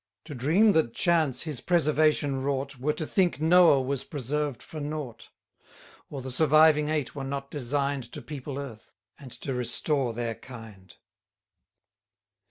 100 To dream that Chance his preservation wrought, Were to think Noah was preserved for nought; Or the surviving eight were not design'd To people Earth, and to restore their kind.